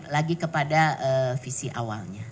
lagi kepada visi awalnya